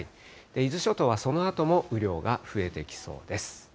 伊豆諸島はそのあとも雨量が増えてきそうです。